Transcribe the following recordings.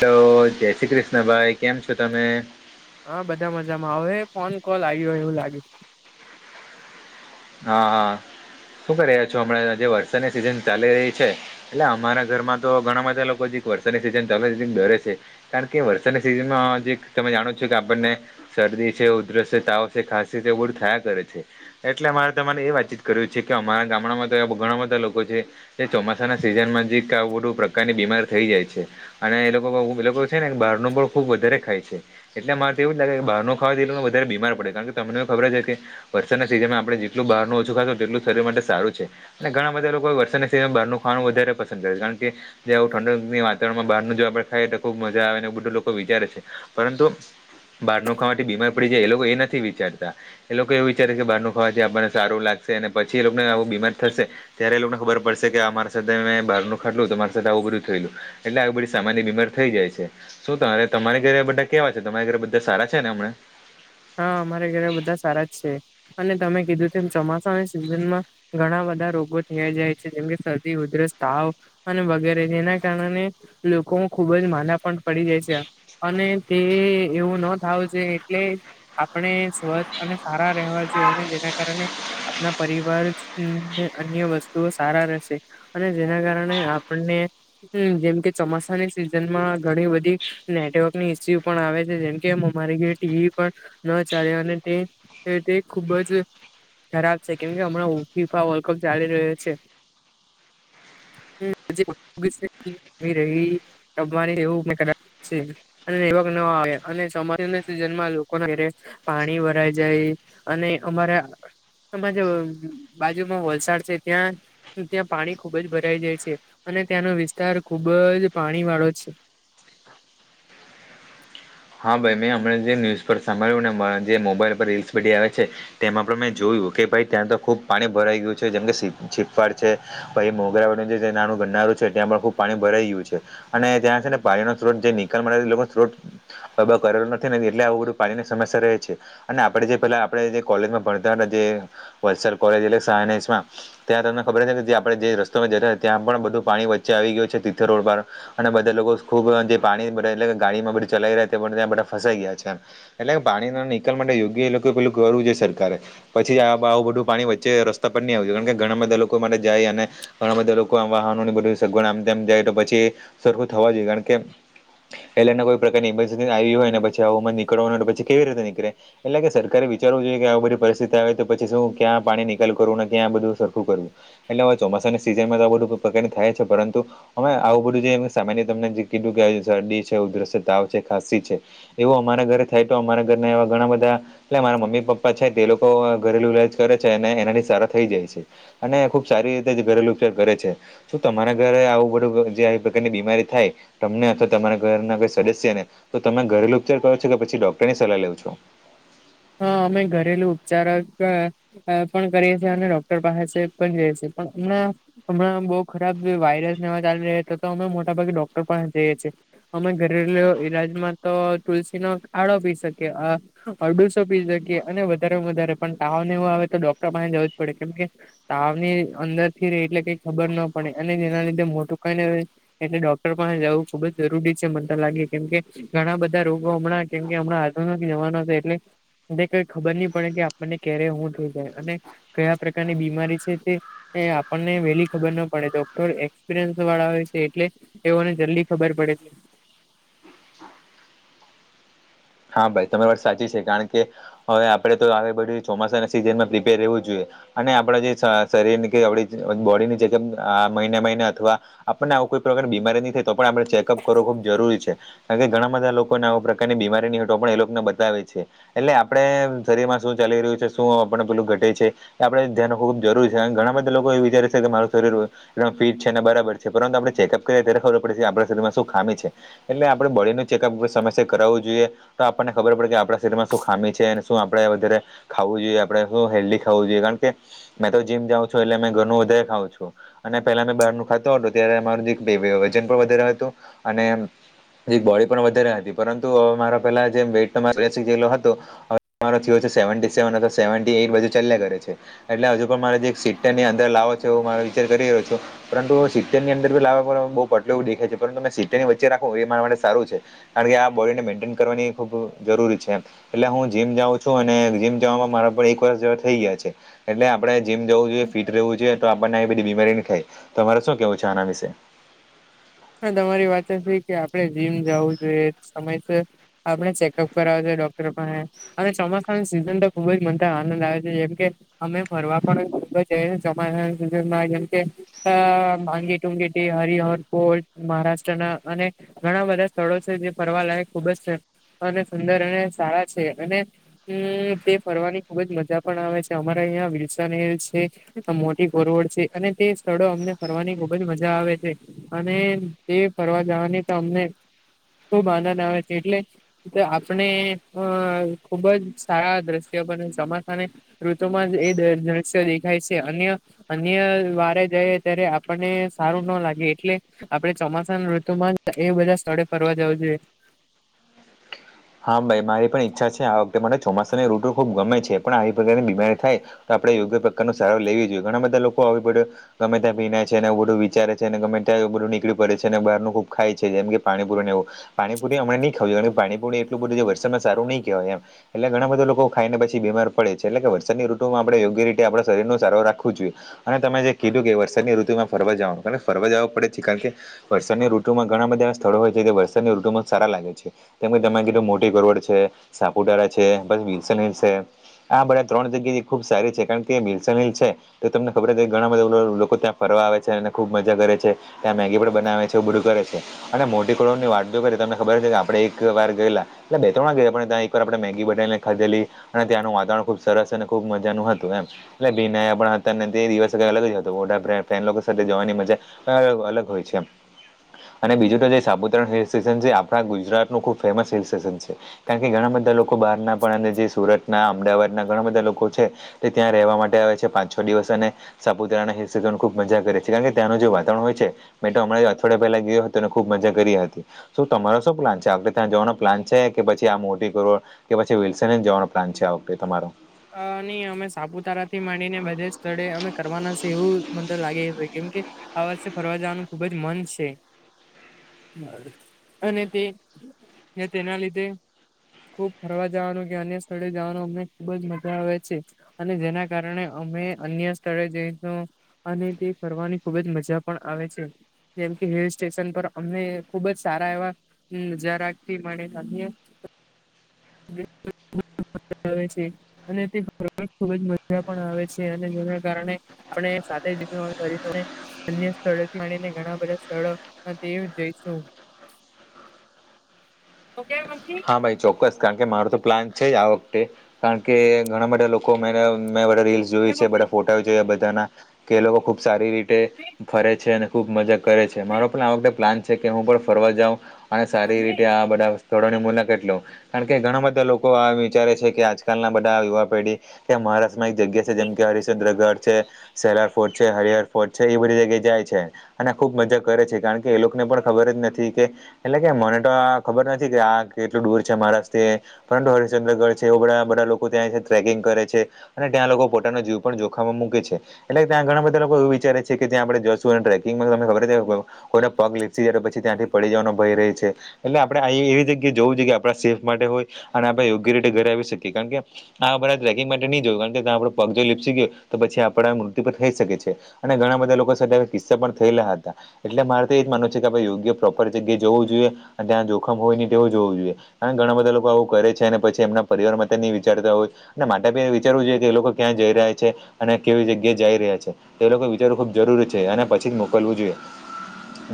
Hello જય શ્રી કૃષ્ણ ભાઈ કેમ છો તમે હા બધા મજામાં હવે ફોન કોલ આવ્યો હોય એવું લાગયુ હા હા શું કરી રહ્યા છો હમણાં જે વરસાદની સિઝન ચાલી રહી છે એટલે અમારા ઘરમાં તો ઘણા બધા લોકો જે વરસાદીની સિઝનથી ડરે છે કારણ કે વરસાદની સિઝનમાં જે તમે જાણો છો કે આપણને શરદી છે ઉધરસ છે તાવ છે ખાંસી છે બધું થયા કરે છે. એટલે અમારે તમારે એ વાતચીત કર્યું છે કે અમારા ગામડામાં તો ઘણા બધા લોકો છે. જે ચોમાસાના સિઝનમાં હજી ક બધું પ્રકારની બીમારી થઈ જાય છે અને એ લોકો એ લોકો છે ને બહાર નું બઉ ખુબ વધારે ખાય છે એટલે મારે તેવું જ લાગે કે બહાર નું ખાવા દે એ તો વધારે બીમાર પડે કારણ કે તમને ખબર જ છે કે વરસાદના સિઝનમાં આપણે જેટલું બહારનું ઓછું ખાશું તેટલું શરીર માટે સારું છે અને ઘણા બધા લોકો વરસાદની સિઝનમાં બહારનું ખાવાનું વધારે પસંદ કરે છે કારણ કે જે આવું ઠંડક વાતાવરણમાં બહારનું જો આપણે ખાઈ તો ખુબ મજા આવે ને એ બધું લોકો વિચારે છે પરંતુ બહારનો ખાવાથી બીમાર પડી જાય એ લોકો એ નથી વિચારતા એ લોકો એવુ વિચારે કે બારનુ હ જે આપણને સારું લાગશે અને પછી એ લોકોને આવું બીમાર થશે ત્યારે એ લોકોને ખબર પડશે કે અમારી સાથે મેં બારનું ખાટલું તો મારી સાથે આવું બધું થયેલું એટલે આવી બધી સામાન્ય બીમાર થઇ જાય છે. શું તારે તમારી ઘરે બધા કેવા છે તમારી ઘરે બધા સારા છે ને હમણાં હા અમારે ઘરે બધા સારા જ છે અને તમે કીધું તેમ ચોમાસાની સિઝનમાં ઘણા બધા રોગો થયા જાય છે જેમકે શરદી ઉધરસ તાવ અને વગેરે જેના કારણે લોકોમાં ખુબ જ માના પણ પડી જાય છે. અને તે એવું નો થાવું જોઈએ એટલે. આપણે સ્વસ્થ અને સારા રહેવા જોઈએ અને જેના કારણે. આપણા પરિવાર અન્ય વસ્તુઓ સારા રહેશે. અને જેના કારણે આપણને જેમ કે ચોમાસાની સિઝન માં ઘણી બધી. નેટવર્કની ઈસ્યુ પણ આવે છે જેમ કે અમારી જે ટીવી પર. ન ચાલે અને તે તે ખુબ જ. ખરાબ છે કેમ કે હમણાં ફીફા વર્લ્ડ કપ ચાલી રહ્યો છે. [unintelligible] [unintelligible] [unintelligible] પાણી ભરાઈ જાય અને અમારા. બાજુમાં વલસાડ છે ત્યાં. ત્યાં પાણી ખુબ જ ભરાઈ જાય છે અને ત્યાંનો વિસ્તાર ખુબ જ પાણી વાળો છે. હા ભાઈ મેં હમને જે ન્યુઝ પર સાંભળ્યું ને એમાં જે મોબાઈલ પર રીલ્સ બધી આવે છે. તેમાં પણ મેં જોયું કે ભાઈ ત્યાં તો ખુબ પાણી ભરાઈ ગયું છે જેમ કે સી છીફાડ છે. પછ એ મોગરા વડનું જે નાનું ગનારું છે ત્યાં પણ ખુબ પાણી ભરાઈ ગયું છે. અને ત્યાં છે ને પાણીનો થોડોક જે નિકાલ માટે લોકો ને થોડોક. કબ કરેલું નથી એટલે આવું બધું પાણીની સમસ્યા રહે છે. અને આપડે જે પેલા આપણે જે કોલેજમાં ભણતા હતા જે વલસાડ કોલેજ શાહ ને એસ માં. ત્યાં તમને ખબર છે કે જે આપણે જે રસ્તોમાં જતા ત્યાં પણ બધું પાણી વચ્ચે આવી ગયો છે તિથ રોડ પર. અને બધા લોકો ખૂબ જે પાણી એટલે ગાડી માં બધા ચલાઈ રહ્યા ત્યા બધા ફસાઈ ગયા છે એમ. એટલે પાણી ના નીકાલ માટે યોગ્ય એ લોકો પેલું કરવું જોઈ સરકારે. પછી આવું બધું પાણી વચ્ચે રસ્તા પર નહી આવ કારણ કે ઘણા બધા લોકો માટે જાય અને. ઘણા બધા લોકો આમ વાહનો ને બધે સગવડ આમ તેમ જાય તો પછી સરખું થવા જોઈએ કારણ કે. એટલેના કોઈ પ્રકારની ઇમરજન્સી આવી હોય ને પછી આવું મા નીકળવાનું હોય પછી કેવી રીતે નીકળે. એટલે કે સરકારે વિચારવું જોઈએ કે આવી બધી પરિસ્થિતિ આવે તો પછી શું ક્યાં પાણી નિકાલ કરવુંને ક્યાં બધું સરખું કરવું. એટલે હવે ચોમાસાની સિઝનમાં તો આ બધું પ્રકારનું થાય છે પરંતુ. અમે આવું બધું જે સામાન્ય તમને જે કીધું કે શરદી છે ઉધરસ છે તાવ છે ખાંસી છે. એવું અમારા ઘરે થાય તો અમારા ઘરના એવા ઘણા બધા. એટલે મારા મમ્મી પપ્પા છે તે લોકો અ ઘરેલુ ઇલાજ કરે છે અને એના થી સારા થઈ જાય છે. અને ખુબ સારી રીતે જે ઘરેલુ ઉપયોગ કરે છે. શું તમારા ઘરે આવું બધું જે આવી પ્રકારની બીમારી થાય તમને અથવા તમારા ઘરના કોઈ. સદસ્ય ને તો તમે ઘરેલુ ઉપચાર કરો છો કે પછી ડોક્ટરની સલાહ લ્યો છો. હા અમે ઘરેલુ ઉપચાર જ કા. અ પણ કરીએ છીએ અને ડોક્ટર પાસે પણ ચેક પણ જઈ એ છે પણ હમણાં. હમણાં આમ બહુ ખરાબ જે વાયરસ ને વધારે થતા તો અમે મોટાભાગે ડોક્ટર પાહે જઈએ છીએ. અમે ઘરેલુ ઈલાજ માં તો તુલસી નો કાળો પી શકીએ અ અરડું. તો પી શકી એ અને વધારે વધારે પણ તાવ ને એવું આવે તો ડોક્ટર પાસે જવું જ પડે કેમ કે. તાવની અંદર થી રે એટલે કઈ ખબર ન પડે અને એના લીધે મોટું કઈ ને. એટલે ડોક્ટર પાહે જવું ખુબ જ જરૂરી છે મને તો લાગે કેમ કે. ઘણા બધા રોગો હમણાં કેમ કે હમણાં આધુનિક જમાનો છે એટલે. એ કઈ ખબર ની પડે કે આપણને ક્યારે હું થઈ જાય અને કયા પ્રકારની બીમારી છે તે. એ આપણને વેલી ખબર ના પડે ડોક્ટર એક્સપિરિયન્સ વાળા હોય છે એટલે. તે ઓ ને જલ્દી ખબર પડે છે. હા ભાઈ તમારી વાત સાચી છે કારણ કે હવે આપડે તો આવે બધી ચોમાસાની સીઝનમાં પ્રિપેર રેવું જ જોઈએ. અને આપણા જે શરીરની કે આપડી બોડીની ચેકઅપ આ મહિને મહિને અથવા. આપણને આવું કોઈ પ્રકારની બીમારી ની થાય તો પણ આપણે ચેકઅપ કરવો ખુબ જરૂરી છે. અને ઘણા બધા લોકોને આવ પ્રકારની બીમારી ની હોય તો પણ એ લોક ને બતાવે છે. એટલે આપણે અ શરીર માં શું ચાલી રહ્યું છે શું આપને પેલું ઘટે છે. એ આપડે ધ્યાનનો ખુબ જરૂરી છે અન ઘણા બધા લોકો એ વિચારે છે કે મારું શરીર વધ એ ઘણો ફિટ છે અને બરાબર છે પરંતુ આપણે ચેકઅપ કરીએ ત્યારે ખબર પડે છે આપણા શરીરમાં શું ખામી છે. એટલે આપડે બોડીનો ચેકઅપ સમયસર કરાવવું જોઈએ તો આપણને ખબર પડે કે આપણા શરીરમાં શું ખામી છે અને શું આપણેે વધારે ખાવું જોઈએ આપણેે શું હેલ્ધી ખાવું જોઈએ કારણ કે મેં તો જીમ જાઉં છું એટલે મે ઘરનું વધારે ખાવું છું. અને પેલા મે બહાર નું ખાતો હતો ત્યારે મારું જે વજન પણ વધારે હતું અને જે બોડી પણ વધારે હતી પરંતુ અ મારા પેલા જે [unintelligible] હવે મારો થયો છે સેવેન્ટી સેવન અથવા સેવેન્ટી એઈટ બાજુ ચાલ્યા કરે છે. એટલે હજુ પણ મારે જે એક સીતેર ની અંદર લાવો છે હું મારો વિચાર કરી રહ્યો છું. પરંતુ સિત્તેરની અંદર લાવવા બહુ પટલો એવું દેખાય છે પરંતુ તમે સિત્તેરની વચ્ચે રાખો એ મારા માટે સારું છે. કારણ કે આ બોડીને મેન્ટેન કરવાની ખૂબ જરૂરી છે એમ એટલે હું જીમ જાઉં છું અને જીમ જવામાં મારા પર એક વર્ષ જેવા થઇ ગયા છે. એટલે આપણે જીમ જવું જોઈએ ફીટ રહેવું જોઈએ તો આપણને એ બધી બીમારી નહી થાય તો તમારે શું કેવું છે આના વિશે? હા તમારી વાત છે કે આપણે જીમ જવું જોઈએ સમય છે. આપડે ચેકઅપ કરાવ જોએ ડોક્ટર પાહે અને ચોમાસાની સિઝન તો ખુબ જ મન આનંદ આવે છે જેમ કે અમે ફરવા પણ ચોમાહા સીઝનમાં જેમ કે અ ભાંગી ટુંંગી થી હરિહર કોલ મહારાષ્ટ્રના અને ઘણા બધા સ્થળો છે જે ફરવા લાયક ખુબ જ છે. અને સુંદર અને સારા છે અને હમ તે ફરવાની ખુબ જ મજા પણ આવે છે અમારા અહીંયા ગુલશન હિલ્સ છે. મોટી કોરવડ છે અને તે સ્થળો અમને ફરવાની ખુબ જ મજા આવે છે અને એ ફરવા જવાની તો અમને ખુબ આનંદ આવે છે એટલે આપણે અ ખુબ જ સારા દ્રશ્ય બને સમાસાને ઋતુમાં જ એ દ્રશ્ય દેખાય છે અન્ય અન્ય વારે જઈ ત્યારે આપણને સારું ના લાગે એટલે આપડે ચોમાસાના ઋતુમાં એ બધા સ્થળે ફરવા જવું જોઈએ. હા ભાઈ મારી પણ ઈચ્છા છે આ વખતે માટે ચોમાસાની ઋટુ ખૂબ ગમે છે પણ આવી પ્રકારની બીમારી થાય આપડે યોગ્ય પ્રકાર ન સારો લેવી જોઈએ ઘણા બધા લોકો આવી પડે ગમે ત્યાં ભીનાય છે નેવું બધું વિચારે છે અને ગમે ત્યાં બધું નીકળી પડે છે અને બહારનું ખૂબ ખાય છે જેમ કે પાણી પુરી ને એવું. પાણીપુરી હમણા નહીં ખાવું પાણીપુરી એટલું બધું છે વરસાદમાં સારુ નહીં કહેવાય એમ. એટલે ઘણા બધા લોકો ખાઈ ને પછી બીમાર પડે છે એટલે કે વરસાદની ઋતુમાં આપણે યોગ્ય રીતે આપણા શરીર નો સારો રાખવું જોઈએ. અને તમે જે કીધું કે વરસાદની ઋતુમાં ફરવા જવાનું કારણ ફરવા જવાું પડે છે કારણ કે વરસાદની ઋતુમાં ઘણા બધા એવા સ્થળો હોય છે જે વરસાદની ઋતુમાં સારા લાગે છે તેમ તમા મોટી ગોવડ છે સાપુતારા છે વિલ્સન હિલ્સ છે આ બધા ત્રણ જગ્યા ખુબ સારી છે કારણ કે વિલસન હિલ છે તો તમને ખબર કે ઘણા બધા લોકો ત્યાં ફરવા આવે છે અને ખુબ મજા કરે છે. ત્યાં મેગી પણ બનાવે છે બધું કરે છે. અને મોટી ગરોડ ની વાત બી કરી તમને ખબર છે કે આપડે એક વાર ગયેલા. એટલે બે ત્રણ ગયેલા ત્યાં એક વાર આપણે મેગી બનાવીને ખાધેલી. અને ત્યાંનું વાતાવરણ ખુબ સરસ અને ખુબ મજાનું હતું એમ એટલે ભીન પણ હતા ને તે દિવસ અલગ જ હતો એ લોકો સાથે જવાની મજા અવ અલગ હોય છે એમ અને બીજું તો જે સાપુતારા નું હિલ સ્ટેશન છે આપણા ગુજરાતનું ખુબ ફેમસ હિલ સ્ટેશન છે કારણ કે ઘણા બધા લોકો બહાર ના પણ અને જે સુરત ના અમદાવાદના ઘણા બધા લોકો છે તે ત્યાં રહેવા માટે આવે છે પાંચ છ દિવસ અને સાપુતારા હીલ સ્ટેશન ખૂબ મજા કરે છે કારણ ત્યાંનું જે વાતાવરણ હોય છે. મેં તો હ અમં અઠવાડિયા પહેલા ગયો હતો અને ખુબ મજા કરી હતી શું તમારો શું પ્લાન છે આખતે ત્યાં જવાનો પ્લાન છે કે પછી આ મોટી કરોર કે પછી વિલ્સન હીલ જવાનો પ્લાન છે આ વખતે તમારો? અ નહી અમે સાપુતારા થી માંડીને બધા સ્થળે અમે કરવાના છે એવું મન તો લાગે કેમ કે આ વર્ષે ફરવા જાવાનું ખુબ જ મન છે. અને તે તેના લીધે ખુબ ફરવા જવાનું કે અન્ય સ્થળે જવાનું અમને ખુબ જ મજા આવે છે. અને જેના કારણે અમે અન્ય સ્થળે જઈને અને તે કરવાની ખુબ જ મજા પણ આવે છે. જેમ કે હિલ સ્ટેશન પર અમે ખુબ જ સારા એવા નજારા થી મળીએ અન્ય હ આવે છે. અને તે ખુબ જ મજા પણ આવે છે અને જેના કારણે આપણે સાથે [inaudible] અન્ય સ્થળોથી મણીને ઘણા બધા સ્થળો તે જઈશું. Okay mummy. હા ભાઈ ચોક્કસ કારણ કે મારો તો પ્લાન છે જ આ વખતે. કારણ કે ઘણા બધા લોકો મે મે બધા રિલ્સ. એ જોય છે. બધા મમ્મી, ફોટા જોયા બધાના કે એ લોકો ખુબ સારી રીતે ફરે છે અને ખુબ મજા કરે છે. મારો મમ્મી, પણ આ વખતે પ્લાન છે કે હું પણ ફરવા જાઉ અને સારી રીતે આ બધા સ્થળોને મુલાકાત લઉં. કારણ કે ઘણા બધા લોકો આ વિચારે છે કે આજકાલ ના બધા યુવા પેઢી ત્યાં મહારાષ્ટ્રમાં એક જગ્યા જેમ કે મમ્મી હરિશદ્રગઢ છે, સહેલાર ફોર્ટ છે, હરિહર ફોર્ટ છે એ બધી જગ્યાએ જાય છે. અને ખૂબ મજા કરે છે. કારણ કે એ લોકોને પણ ખબર જ નથી કે એટલે કે મને તો આ ખબર નથી કે આ તે એટલું દૂર છે મહારાષ્ટ્રથી પરંતુ હરિચંદ્રગઢ છે એ બધા બધા લોકો ત્યાં ટ્રેકિંગ કરે છે. અને ત્યાં લોકો પોતાનો જીવ પણ જોખમમાં મૂકે છે. એટલે ત્યાં ઘણા બધા લોકો એવું વિચારે છે કે ત્યાં આપડે જશું અને ટ્રેકિંગમાં તને ખબર છે કોઈને પગ લીપસી જ્યારે પછી ત્યાંથી પડી જવાનો ભય રહી છે. એટલે આપણેે એવી જગ્યા કે જોવું જોઈએ આપણા સેફ માટે હોય અને આપણે યોગ્ય રીતે ઘરે આવી શકીએ. કારણ કે આ બધા ટ્રેકિંગ માટે નહી જોયું કારણ કે આપડો પગ જો લીપસી ગયો તો પછી આપડ મૃતુ પર થઈ શકે છે. અને ઘણા બધા લોકો સાથે આવા કિસ્સા પણ થયેલા હતા. એટલે મારે તો એજ માનવુ છે કે આપે યોગ્ય પ્રોપર જગ્યાએ જવું જોઈએ. અને ત્યાં જોખમ હોય ની. તેવું જોવું જોઈએ કાર ઘણા બધા લોકો આવું કરે છે અને પછી એમના પરિવાર માટે નહી વિચારતા હોય. અને માતા પિતાએ બી વિચારવું જોઈએ કે એ લોકો ક્યાં જઈ રહ્યા છે અને કેવી જગ્યાએ જઈ રહ્યા છે. તે લોકોએ વિચારવું ખૂબ જરૂરી છે અને પછી જ મોકલવું જોઈએ.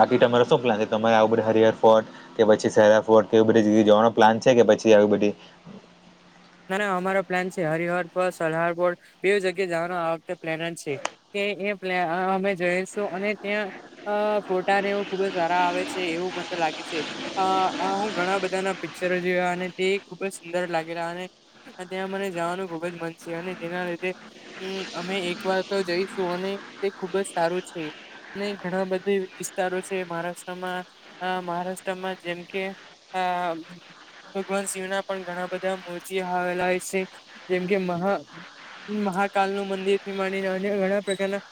બાકી તમારો શું પ્લાન છે? તમારે આવું બધે હરિહર ફોર્ટ કે પછી સેરા ફોર્ટ તેવો બધી જવાનો પ્લાન છે કે પછી આવી બધી ના ના અમારો પ્લાન છે હરિહરપર, સલહારપુર બે જગ્યા જવાનો આ વખતે પ્લેન જ છે. તે એ પ અમે જોઈશું અને ત્યાં અ ફોટાને એવું ખુબ જ સારા આવે છે એવું મન તો લાગે છે. અ હું ઘણા બધા ના પિક્ચરો જોયા અને તે ખુબ જ સુંદર લાગેલા અને અને ત્યાં મને જવાનું ખુબ જ મન છે અને જેના લીધે હમ અમે એક વાર તો જઈશું અને તે ખુબ જ સારું છે. ઘણા બધા વિસ્તારો છે. મહારાષ્ટ્રમાં મહારાષ્ટ્રમાં જેમ કે આ ભગવાન શિવના પણ ઘણા બધા મુ તે આવેલા હશે જેમ કે મહા મહાકાલનું મંદિર થી માંડીને અન્ય ઘણા પ્રકારના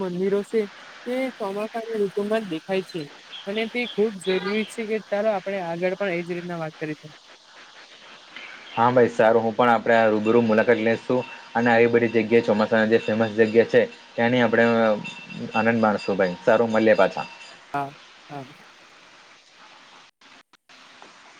મંદિરો છે તે ચોમાસાની ઋતુમાં જ દેખાય છે. અને તે ખુબ જરૂરી છે કે ચાલો આપણે આગળ પણ એજ રીતના વાત કરીશું. હા ભાઈ સારું હું પણ આપણે રૂબરૂ મુલાકાત લઈશું. અને આવી બધી જગ્યા ચોમાસાની જે ફેમસ જગ્યા છે ત્યાંની આપણે આનંદ માણસું ભાઈ સારું મળીએ પાછા. હા હા